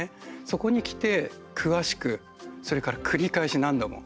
そこにきて、詳しく、それから繰り返し何度も。